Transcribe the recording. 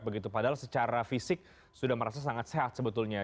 begitu padahal secara fisik sudah merasa sangat sehat sebetulnya